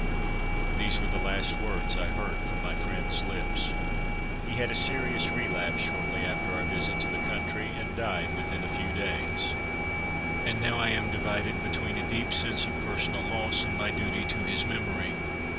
These were the last words I heard from my friend's lips. He had a serious relapse, shortly after our visit to the country, and died within a few days. And now I am divided between a deep sense of personal loss and my duty to his memory.